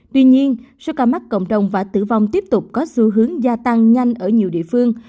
tuy nhiên số ca mắc cộng đồng và tử vong tiếp tục có xu hướng gia tăng nhanh ở nhiều địa phương